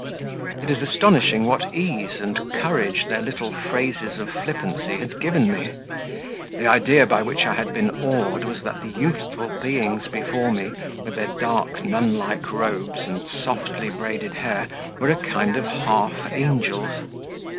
It is astonishing what ease and courage their little phrases of flippancy had given me; the idea by which I had been awed was that the youthful beings before me, with their dark nun like robes and softly braided hair, were a kind of half angels.